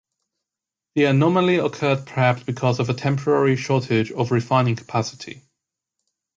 The anomaly occurred perhaps because of a temporary shortage of refining capacity.